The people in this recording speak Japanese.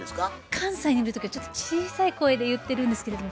関西にいる時はちょっと小さい声で言ってるんですけれども。